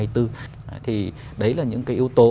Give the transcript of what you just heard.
thì đấy là những yếu tố